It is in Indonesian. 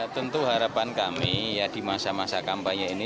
tentu harapan kami ya di masa masa kampanye ini